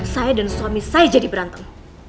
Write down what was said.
saya dan suami saya jadi berantem